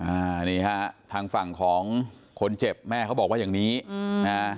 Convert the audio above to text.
อ่านี่ฮะทางฝั่งของคนเจ็บแม่เขาบอกว่าอย่างนี้อืมนะ